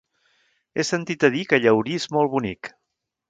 He sentit a dir que Llaurí és molt bonic.